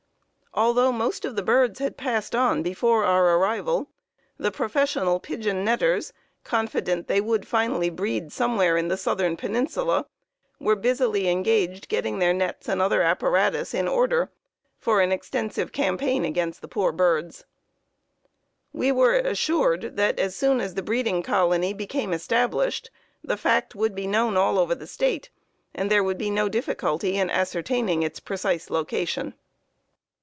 Although most of the birds had passed on before our arrival, the professional pigeon netters, confident that they would finally breed somewhere in the southern peninsula, were busily engaged getting their nets and other apparatus in order for an extensive campaign against the poor birds. "We were assured that as soon as the breeding colony became established the fact would be known all over the State, and there would be no difficulty in ascertaining its precise location.